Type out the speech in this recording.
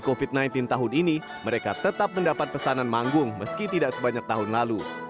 covid sembilan belas tahun ini mereka tetap mendapat pesanan manggung meski tidak sebanyak tahun lalu